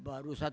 baru satu tahun